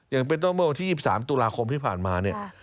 อย่างเป็นต้นเมื่อวันที่๒๓ตุลาคมที่ผ่านมาเนี่ย